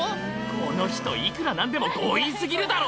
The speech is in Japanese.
「この人いくら何でも強引過ぎるだろ」